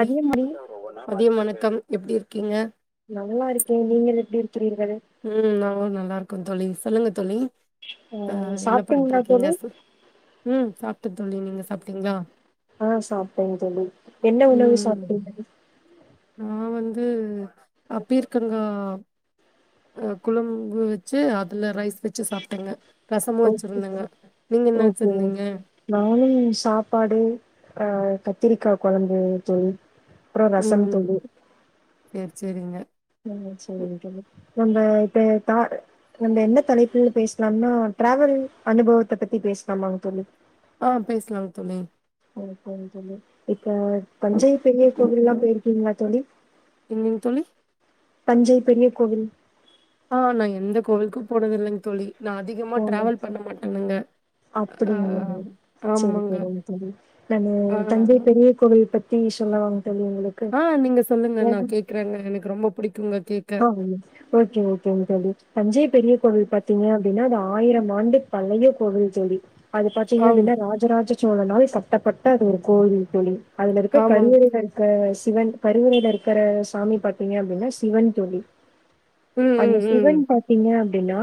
ழி மணி மதிய வணக்கம் எப்டிருக்கீங்க நல்லா இருக்கேன் நீங்கள் எப்டி இரு உம் நாங்களும் நல்லாருக்கோம் தோழி சொல்லுங்கு தோழி அ ஆஹ் என்ன சாப்பிட்டீங்களா பண்றுக்கிங்க தோழி? ஷிப் உம் சாப் ட்டு தோழி நீங்க சாப்பிட்டீங்கா ஆஹ் சாப்பிட்டேன்ங் தோழி என்ன உணவு சாப்பிட்டீங்க நான் வந்து அப்பீர்க்கங்கா அஹ் குழம்பு வச்சு அதுல ரைஸ் வச்சு சாப்ட்டேங்க ரசமு ஓகே வச்சிருந்தேங்க நீங்க ஓகே என்ன ஓகே வச்சிருந்தீங்க நானும் சாப்பாடு அஹ் கத்திரிக்கா கொழம்பு தோழி அப்புறம் ரசம் உம் தோழி. சேர் சேரிங்க உம் செரிங்க தோழி நம்ம இப்ப த நம்ம என்ன தலைப்பு பேசலாம்னா டிராவல் அனுபவத்த பத்தி பேசலாம்ங்க தோழி ஆஹ் பேசலாம்ங் தோழி பேசலாம் தோழி ச அப்ப தஞ்சை பெரிய கோவில்லாம் போயிருக்கீங்களா தோழி என்னங்க தோழி தஞ்சை பெரிய கோவில் ஆஹ் நா எந்த கோவிலுக்கும் போறதில்லைங் தோழி நா அதிகமா போ ங்க டிராவல் பண்ண மாட்டேனுங்க ஆ அப்படிங்களா செரி ஆமாங்க செரி தோழி நானு ஆ. தஞ்சை பெரிய கோவில் பத் பீஷ்ணா ஆஹ நீங்க சொல்லுங்க நா கேக்குறங்க எனக்கு ரொம்ப புடிக்குங்க ஆஹ் ஓக்கே ஓக்ங்க தோழி தஞ்சை பெரிய கோவில் பார்திங்க அப்படின்னா அ ஆயிரம் ஆண்டு பழைய கோவில் தோழி அத பாத்தீங்கன ஆங் அப்படின்னா ராஜராஜ சோழனல் கட்டப்பட்ட அது ஒரு கோவில் தோழி அதுல இருக்க ஆமாங். கருவரல இருக்க சி சிவன் கருவறில யிருக்கற சாமி பார்த்தீங்க அப்படின்னா சிவன் தோழி ம், அந்த ம், ம். சிவன் பாத்திங்க அப்படின்னா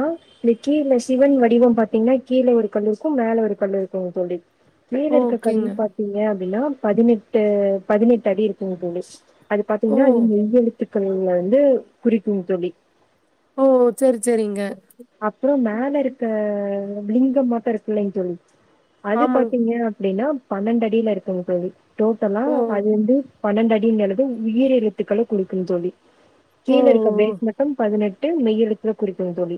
ந்த கிழசிவன் வடிவம் பாத்திங்கன்னா கீழே ஒரு கல்லு இருக்கும் மேல ஒரு கல்லு இருக்கும் தோழி மேலயிருக்கற கன்னு ஓகேங்க. பாத்தீங்க அப்படினா பதினெட்டு பதினெட்டு அடி இருக்குங்க தோழி ஸ் அது ஓ! பாத்தீங்கன அது மெய்யெழுத்து கள்ள வந்து குறிக்கும் தோழி ஓ சேசரி சேரிங்க அப்புற மேல இருக்க லிங்க மட்டும் இருக்கில்ல தோழி அது ஆமாங். பாத்திங்க அப்படியின்னா பன்னெண்டு அடியில இருக்குங்க தோழி டோட்டலா ஓ! பன்னென்டு பன்னெண்டு யிடியிகிறதுஉயிர் எழுத்துக்களை குடுக்கு தோழி ஓ! ஓ! கீழயிருக்கற பேஸ்மட்டும் பதினெட் மெய்எழுத்த குறிப்பது தோழி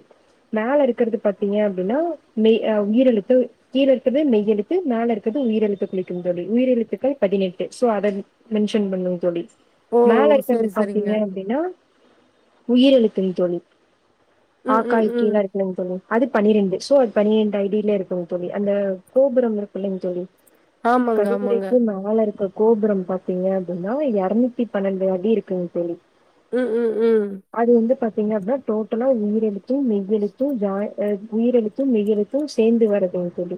மேலயிருக்கறது பாத்திங்க அப்டினா மெய் உயிரெழுத்து கீழ இருக்கது மெய்யெழுத்து மேல இருக்கது உயிரெழுத்து குறிப்பது உயிரெழுத்துகள் பதினெட்டு சோ அத மென்ஷன் பண்ணும் ஓ! மேல இருக்கறது சரி, சரிங்க. பாத்திங்க அப்படின்னா உயிர்யெழுத்துங் தோழி ஆ ம், க ம், இ கி ம். ல்லாம் இருக்குலங் தோழி அது பன்னிரெண்டு சோ அது பனிரெண்டு ஐடியில இருக்குங்கு தோழி அந்த கோபுரம் இருக்குலிங் தோழி ஆமாங்க, ஆமாங்க. கருவறைக்கு மேலயிருக்க கோபுரம் பாத்திங்க அப்படின்னா எரநூத்தி பன்னெண்டு அடி இருக்குங் தோழி உம் உம் உம் நீங்க அப்னா டோட்டலா உயிரெழுத்தும் மெய்யெழுத்தும் ஜா உயிரெழுத்தும் மெய்யெழுத்தும் சேர்ந்து வரதுங் தோழி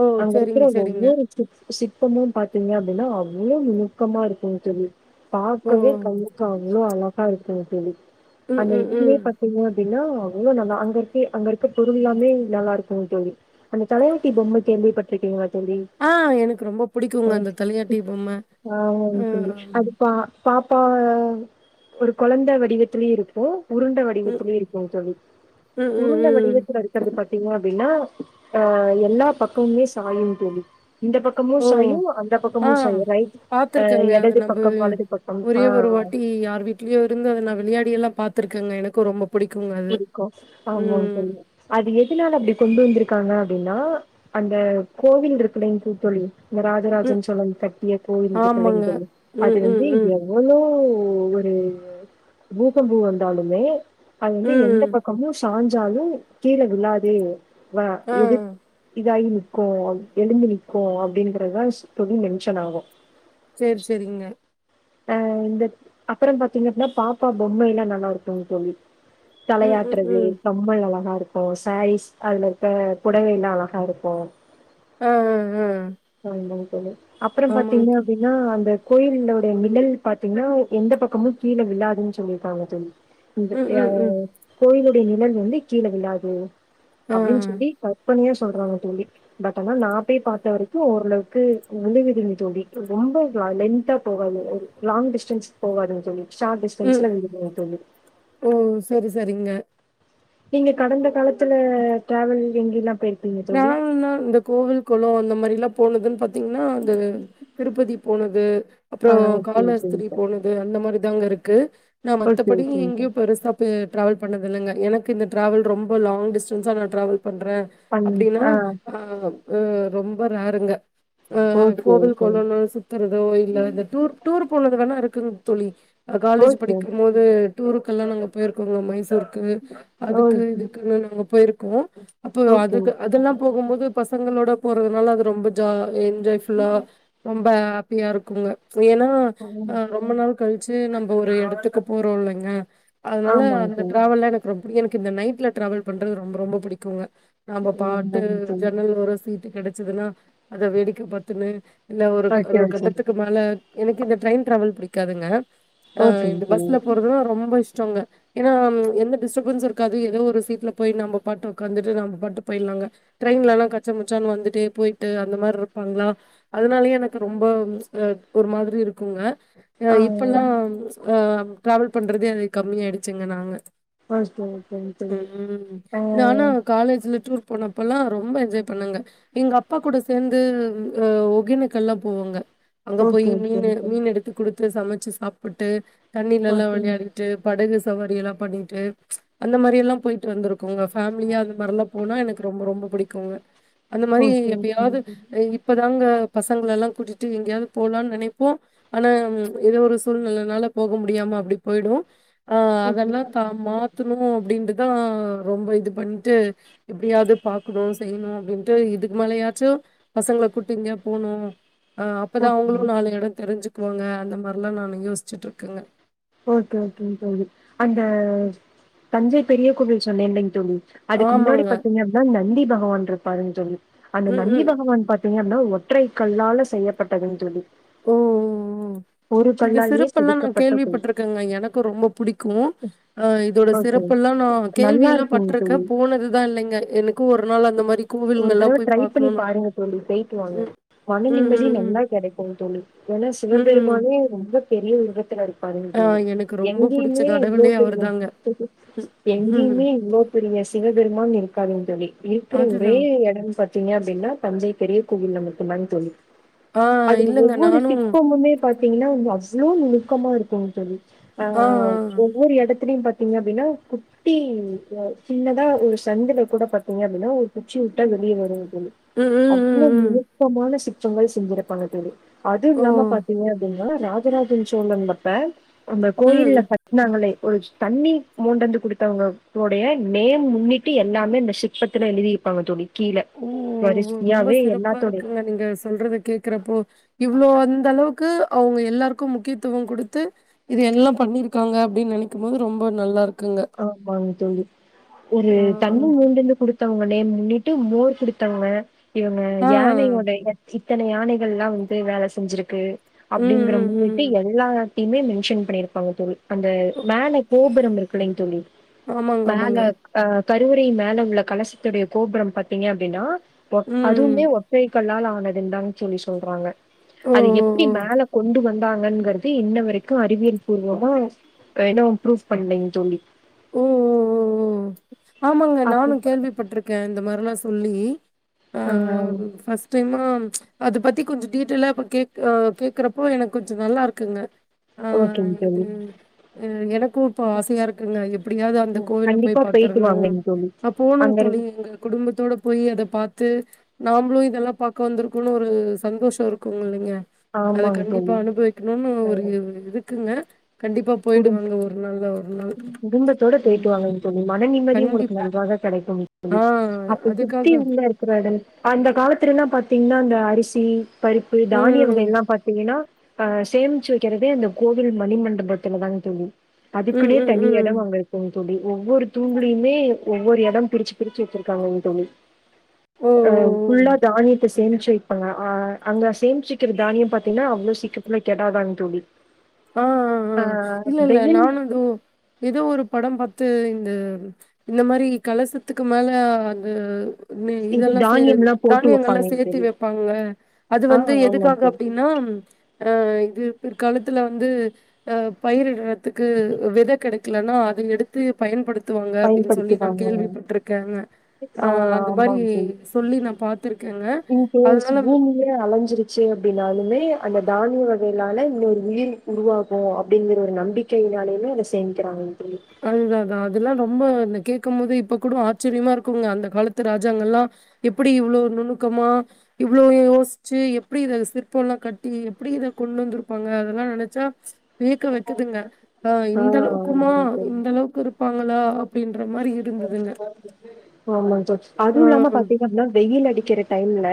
ஓ! அங்க இருக்ற சரிங்க, சரிங்க. ஒவ்வொரு சிற் சிற்பமும் பாத்தீங்க அப்படின்னா அவ்வளவு நுணுக்கமா இருக்குங் தோழி ஓ! பாக்கவே கமுக்காவு எவ்ளோ அழ ஆங் செரி தோழி ம், அந்த ம், ம். இதுவுமே பாத்தீங்க அப்டின்னா அவ்ளோ நல்லா அங்க இருக்க அங்க இருக்க பொருள் எல்லாமே நல்லா இருக்கும் தோழி அந்த தலையாட்டி பொம்ம கேள்விப்பட்டிருக்கீங்களா தோழி? ஆஹ் எனக்கு ரொம்ப அ புடிக்குங்க அந்த தலையாட்டி பொம்ம ஆமாங்க தோழி. அஹ் அது பா பாப்பா ஒரு கொழந்த வடிவத்திலயும் இருப்போ உருண்ட ம், வடிவத்திலே இருக்கும் தோழி ம், ம், உருண்ட ம். வடிவத்ல இருக்கிறது பாத்தீங்ன்னா அப்படின்னா அஹ் எல்லா பக்கமுமே சாயும் தோழி இந்த பக்கமு ஓ! சாயும் அந்த ஆ பக்கமு சாயும் ரைட் அஹ் பாத்துருக்கேங்க. அது எடது நம்ப பக்கம் வலது பக்கம் ஆஹ் ட்லயோ இருந்து அத நான் விளையாடி எல்லாம் பாத்திருக்கேங்க எனக்கு ரொம்ப பிடிக்குங்க அது. இருக்கும் ஆமா ம். தோழி அது எதுனால அப்படி கொண்டு வந்ருக்காங்க அப்படின்னா அந்த கோவில் இருக்குலேங்கு தோழி இந்த ம். ராஜராஜன் சோழன் கட்டிய கோயில் ஆமாங்க. கலையும் அது ம், ம், வந்து ம். எவ்வளோ இப்போ ஒரு பூகம்பம் வந்தாலுமே அது வந்து எந்த ம். பக்கமு சாஞ்சாலும் கீழ விழாது வா ஆ. எது இதாயினும் க்கும் எழுந்து நிற்கும் அப்டின்றதா தோழி மென்ஷன் ஆகும் செரி செரிங்க அஹ் இந்த அப்புறம் பாத்தீங்கன்னா பாப்பா பொம்மைல்லாம் நல்லா இருக்கும்ங் தோழி ம், ம், தலையாட்டுறது ம். கம்மல் அழகா இருக் ப்ப சாரீஸ் அதுல இருக்க புடவல்லாம் அழகா இருக்கும் ஹம் ஹம் ஹம் ஓய் அப்புறம் பாத்தீங்க அப்படின்னா அந்த கோயில்ண்ட மின்னல் பாத்தீங்கன்னா எந்த பக்கமும் கீழே விழாதுன்னு சொல்லியிருக்காங்க சொல்லி ந் ம், அ ய ம், ம். கோயிலுடைய நிழல் வந்து கீழே விழாது ஆ. அப்படின்னு சொல்லி கற்பனையா சொல்றாங்க தல்லி பட் ஆனா நான் ய் பார்த்த வரைக்கும் ஒருஓரளவு உழு விதவி தடி ரொம்ப லொ போகாது ஒரு லாங் டிஸ்டன்ஸ் போகாதுன்ன சொல்லி ஷார்ட் ம். டிஸ்டன்ஸ்ல வீடு போக சொோல்லி ஓ! சரி, சரிங்க. நீங்க கடந்த காலத்துல டிராவல் எங்கயல்லாம் போயிருக்கங்க னா இந்த கோவில் குளம் அந்த மாதிரி எல்லாம் போனதுு பத்து ீங்கா அது திருப்பதி போனது ஆ அப்புறம் ஓகே ஓகேங்க காலஸ்திரி சார். போனது அந்த மாதிரி தாங்க இருக்கு ஓகே நான் ஓகே மத்தபடி ஓகேங்க எங்கேயோ சார். பெருசா் டிரராாவல் பண்ணத இில்லைங்க எனக்கு இந்த டிராவல் ரொ லாங் ஸ்டன்ஸா நான்டிராவல் பண்றேன் பண் அப்படின்னா ஆ ஆஹ ரொம்ப நாருங்க ஆஹ் ஓகே கோவில் ஓகேங்க. கோலன்னு சுத்துறதோ இல்ல இந்த டூர் டூர் போனது வேணா இருக்கு தளி காலேஜ் ஓகே படிக்கும் போோது டருக்கல்லாம் நாங்க போயிருக்கோங்க மைசூர் அதுக்கு இதுக்குன்ன நாங்க போயிருக்க கு ஓகே ஓகே அதெல்லாம் போகும்போது பசங்க போறதுனால அது ரொம்ப ஜ என்ஜாய் ஃபுல்ல ரொம்ப அப்படியா இருக்குங்க ஏன்னா சார். ம். ஆஹ் ரொம்ப நாள் கழி சு நம்ம ஒரு இடத்துக்கு போறோம்ல்லைங்க அதனால ஆமாங்க அந்த சார். டிராவல்ல எனக்கு ரொம்ப பிடி எனக் இந்த நைட்ல டிராவல் பண்றது ரொம்ப ரொம்ப பிடிக்கும்ங்க நம்ப பாட்டு ஆமாங்க சார். ஜன்னல் ஓரம் சீட்டு கிடைச் சுதுன்னா அத வேடிக்கை பாத்துன்னு இல்ல ஒரு ஓகே ஒரு ஓகே. கட்டத்துக்கு மேல எனக்கு இந்த ட்ரெயின் டிராவல் பிடிக்காதுங்க ஆஹ் ஓகேங்க இந்த பஸ்ல சார். போறதுலாம் ரொம்ப இஷ்டங்க ஏன்னா எந்த டிஸ்டர்பன்ஸ்ஸும் இருக்காது ஏதோ ஒரு சீட்ல போய் நம்ப பாட்டு உக்காந்துட்டு நம்ப பாட்டு போய்டலாங்க ட்ரெயின்ல எல்லாம் கச்சை முச்சான்னு வந்துட்டே போயிட்டு அந்த மாதிரி இருப்பாங்களா அதனாலயே எனக்கு ரொம்ப ஒரு மாதிரி இருக்குங்க ஆஹ் ஆ இப்பல்லாம் அஹ் டிராவல் பண்றதே அது கம்மிய ஆயிடுச்சுங்க நாங்க ஓகே ஓகேங்க தோழி ம். நானா அஹ் காலேஜ்ல டூர் போனப்பல்லாம் ரொம்ப என்ஜாய் பண்ணேங்க எங்க அப்பா கூட சேர்ந்து ஒகேனுக்கல் எல்லாம் போவோங்க அங்க போய் ஓகே மீன் ஓகேங்க சார். மீன் எடுத்து குடுத் சமைச்சு சாப்புட்டு தண்ணில எல்லாம் ஓகேங்க விளையாடிட்டு படகு சவாரி எல்லாம் பண்ணிட்டு அந்த மாதிரி எல்லாம் போயிட்டு வந்திருக்கோங்க பேமிலியா அந்த மாதிரிலாம் போனா எனக்கு ரொம்ப ரொம்ப பிடிக்கும்ங்க அந்த மாதிரி ஓகே ஓகேங்க எப்பயாவது சார். இப்பதாங்க பசங்கள எல்லாம் கூட்டிட்டு எங்கேயாவது போகலாம்னு நினைப்போம் ஆனா ஏதோ ஒரு சூழ்நிலனால போக முடியாம அப்படி போயிடும் ஆஹ் ஓகே அதெல்லாம் தான் ஓகேங்க சார். மாத்தணும் அப்படின்றது தான் ரொம்ப இது பண்ணிட்டு எப்படியாவது பார்க்கணும் செய்யணும் அப்படின்ட்டு இதுக்கு மேலயாச்சும் பசங்களை கூட்டி எங்கயா போணும் ஆஹ் அப்பதான் ஓகே அவுங்களும் நாலு இடம் தெரிஞ்சுக்குவாங்க இந்த மாரி எல்லாம் நானு யோசிச்சுட்டு இருக்கேங்க ஓகே ஓகேங்க தோழி அ உம் தஞ்சை பெரிய கோவில் சொன்னேன்லங்க தோழி அதுக்கு முன்னாடி ஆமாங்க. பாத்தீங்க அப்படின்னா நந்தி பகவான் ருபாருங்க தோழி அந்த ம், நந்தி ம். பகவான் பத்த ஒற்றை கல்லால செய்யப்பட்டதுன்றது ஓ ஒரு பள்ளாலேயே செதுக்கப்பட்ட பொள் இருக்குங்க எனக்கு ரொம்ப பிடிக்கும் இதோட ஓகே சிறப்புெ எல்லாம் நான் கேள்வி நல்லா எல்லாம் இருக்குங்க பட்டிருக்கேன் தோழி போனதுதான் இல்லைங்க எனக்கு ஒரு நாள் அந்த மாரி ஒரு கோவிலுங்கலாம் தடவை போய் ட்ரை பண்ணி பார்க்கணும்னு பாருங்க தோழி பேயட்டு வாாங்க ம், மன ம், நிம்மதி நல்லா ம், கிடைக்கும் தோழி ஏன்னா ம், ம். சிவபெருமானே ரொம்ப பெரிய உலகத்துல இருக்காதுன்னு ஆ சொல்லி எனக்கு ரொம்ப புடிச்ச எங்கேயுமே இவ்வளோ கடவுளே பெரிய அவர்தாங்க. ம். ம். எங்கயுமே இவ்ளோ பெரிய சிவபெருமான் இருக்காதுன்னு சொல்லி இருக்கிற ஒரே அதுதான். இடம்ன்னு பாாரத்தீங்க அப்படின்னா தந்தை தெரிய கல மண தோழி ஆ [unintelligible] அதுல இல்லங்க ஒவ்வொரு நானும் சிற்பமுமே பாத்தீங்கன்னா அவ்வளோ ந பக்கமா இருக்கோ தோலி ஆ, ஆஹ் ஆ. ஒவ்வொரு இடத்தலயும் பத்த ங்க அப்படின்னா குட்டி சின்னதான் ஒரு சந்தில கூட ப ஏங்க அப்படின்னா ஒரு புச்சி விட்டா வெளியே வரும் ம், ம், அவ்வளவு ம், ம். நெருக்கமான ச ஷங்கள் செஞ்சிருப்பாங்க தோலி அதுவும் ஓ! இல்லாம பாத்தீங்க அப்படின்னா ராஜராஜன் சோழன் மபேன் அந்த ம். கோயில்ல கட்டினாங்களே ஒரு தண்ணி மோண்டந்து குடுத்தவங்கடைய நேம் முன்னிட்டு எல்லாமே நசு பப்பத்துன எழுதி இருப்பாங்க தொழ ஓ ரொம்ப சிறப்பா எல்லாத்தோடைய இருக்குங்க நீங்க சொல்றத கேக்குறப்போ இவ்வளோ அந்த அளவுக்கு அவங்க எல்லாருக்கும் முக்கியத்துவம் கொடுத்து இது எல்லா பண்ணியிருக்காங்க அப்படின்னு நினைக்கும்போது ரொம்ப நல்லாிருக் ஆஹ் வாங்க தோலலி ஒரு ஆ. தண்ணிழ மூண்டுந்து குடுத்தவங்க முன்னிட்டு மோர் குடுத்தவங்க இவங்க ஆ. யானையோட எச் இத்தன யானைகள்ல்லா வந்து வேல செஞ்சிருக்கு ம், அப்படிங்கற ம், முன்னிட்டு ம். எல்லா மே மென்ஷன் பண்ணிருப்பாங்க தோலி அந்த ஒ மேல கோப் ந [inaudible] களங தொி ஆமாங்க, [inaudible] மேல ஆமாங்க. ஹ கருவறை மேல உள்ள கலசத்துடைய கோபுரம் பார்த்தீங்க அப்டின்னா ஒ ம். அதுவுமே ஒற்றை கல்லால் ஆனது தா தோழி சொல்றாங்க ஓ, அது ஓ, எப்படி ஓ. மேல கொண்டு வந்து தாங்ககிறது இன்ன வரைக்கும் அறிவியல் பூர்வமா ப்ரூப் பண்ணீங்க தோலி உம் உம் உம் ஆமாங்க அப்ப நானும் கேள்விப்பட்டிருக்கேன் இந்த மாரிலா சொல்லி ஆ ஆஹ் ஃபஸ்ட் டைமா அதை பத்தி கொஞ்சோ டீட்டெய்ல்லா இப்ப கே கேக்குறப்போ எனக்கு கொஞ்ச நல்லா இருக்குங்க ஓகேங் ஆஹ் தோழி இதுஹ் எனக்கும் இப்போ ஆசையா இருக்குங்க எப்படியாவது அந்த ம், கோவில கண்டிப்பா போய் போயிட்டு பாக்கனு வாங்கங் தோழி அபோனும் அங்க இரு தோழி எங்க குடும்பத்தோட போய் அத பார்த்து நாமளும் இதெல்லாம் பார்க்க வந்திருக்கன்னு ஒரு சந்தோஷம் இருக்குங்க இல்லைங்க அதை ஆமாங்க கண்டிப்பா தோழி அனுபவிக்கணும்னு அ ஒரு இதுக்குங்க கண்டிப்பா குடும் போயிடுவாங்க ஒரு நாள் ள ஒரு நாள் குடும்பத்தோட போயிட்டு உம் வாங்கங்க தோழி மன நிம்மதி உங்களுக்கு நன்றாக கிடைக்கும் தோழி ஆ அப்ப அதுக்காக சுத்தி இருக்கிற அந்த காலத்துலல்லாம் பாத்தீங்கன்னா அந்த அரிசி பறுப்பு தானிய வகைகள் ம். எல்லாம் பார்த்தீங்கன்னா அஹ் சேமிச்சு வைக்கிறதே அந்த கோவில் மணிமண்டபத்த துளதா தோழி ம், அதுக்குன்னே ம், தனி இடம் ம். அங்க இருக்கும் தோழி ஒவ்வொரு தூன்லையுமே ஒவ்வொரு இடம் பிரிச்சு பிரிச்சு வச்சிருக்காங்க தோழி ஓ! ஓ! அஹ் ஃபுல்லா ஓ! தானியத்தை சேமிச்சு வைப்பாங்க ஹஹ அங்க சேமிச்சுக்கிற தானியம் பாத்தீங்கன்னா அவ்வளவு சீக்கிரத்துல கெடாதானங்க தோழி ஆஹ்ஹ ஆ ஆஹ் இல்ல இல்ல வெயில் நானு இதோ ஒரு படம் பார்த்த இந்த இந்த மாதிரி கலசத்துக்கு மேல அது இது இதெல்லாம் சேத்து தானியம்லா போட்டு தானியங்கள் வப்பாங்க எல்லாம் சேர்த்து தோழி வைப்பாங்க அது ஆ வந்து ஆமாங் எதுக்காக தோழி அப்படின்னா அஹ் இது பிர் காலத் பிற்காலத்தில வந்து பயிரடுறதுக்கு விதை கிடைக் கெடக்கலனா அதை எடுத்து பயன்படுத் பயன்படுத்துவாங்க அப்படின்னு சொல்லி நான் பயன்படுத்துவாங்க கேள்விப்பட்டிருக்கேங்க ஆ ஆஹ் அந்த மாதிரி ஆமாங் தோழி சொல்லி நான் பார்த்திருக்கேங்க அதனால அப்படின்னாலுமே அந்த தானிய வகையிலால இன்னொரு உயிர் உருவாகும் அப்படிங்குற ஒரு நம்பிக்கையினாலயுமே அதை சேமிக்கிறாங்க தோழி அதுதான் அதெல்லாம் ரொம்ப இந்த கேட்க போது இப்ப கூட ஆச்சரியமா இருக்குங்க அந்த காலத்து ராஜாங்க எல்லாம் எப்படி இவ்வளவு நுணுக்கமா இவ்வளோ யோசிச்சு எப்படி இத சிற்பம் எல்லாம் கட்டி எப்படி இத கொண்டு வந்திருப்பாங்க அதெல்லாம் நினைச்சா வெர்க வைக்குதுங்க ஆஹ் ஆ இருந்தாலும் இருக்குமா ஆமாங் இந்த அளவுக்கு இருப்பாங்களா அப்டின்ற மாரி இருந்ததுங்க ஆமா ஆ. அதுவும் இல்லாம பாத்தீங்க அப்பனா வெயில் அடிக்கிற டைம்ல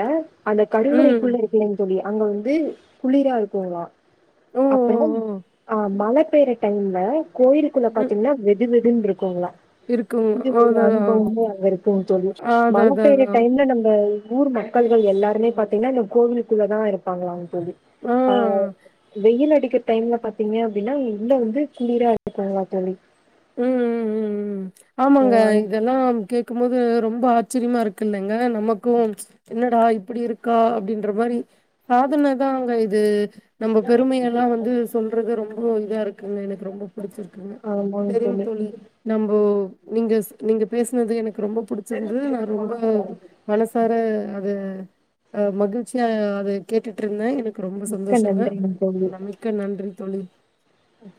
அந்த கடவுரைக்குள்ள ம். இருக்கலேன்னு தோழி அங்க வந்து குளிரா இருக்கங்களா ஓ! ஓ! அப்புறம் ஓ! அஹ் மழை மழை பெய்யற டைம்ல கோயிலுக்குள்ள ம். பாத்தீங்கன்னா வெது வெ அப்ப இருக்குங்களா இருக்குங்க. ஒரு அதான், அனுபவமே அங்க இருக்குன்னு சொல்ல அதான், மழை அதான், பெய்ய அதான். டைம்ல நம்ம ஊர் மக்கள்கள் எல்லாருமே பாாரத்தீங்கன்னா இந்த கோவிலுக்குள்ள தான் இருப்பாங்களா சரி ஆ. ஆஹ வெயில் அடி டைம்ல பாத்தீங்க அப்படின்ா உள்ள வந்து குளரா இருக்கும் வாத்தலி உம் உம் உம் உம் ஆமாங்க இதெல்லாம் கேட்க போோது ரொம்ப ஆ ஆச்சரியமா இருக்கு இல்லைங்க நமக்கும் என்னடா இப்படி இருக்கா அப்படின்ற மாதிரி சாதனைதான் அங்க இது நம்ம பெருமைகள் எல்லாம் வந்து சொல்றது ரொம்ப இதா இருக்குங்க எனக்கு ரொம்ப புிடிச்சிருக்குங்க ஆமாங்க த தோழி. துழில் நம்ம்ப நீங்க நீங்க பேசினது எனக்கு ரொம்ப புிடிச்சிருந்தது நான் ரொம்ப மனசார அது் மகிழ்ச்சியா அதது கேட்டுட்டு இருந்தேன் எனக்கு ரொம்ப மிக்க சந்தோஷங்க நன்றிங்க நம்பிக்க நன்றி தள்ள ஹம்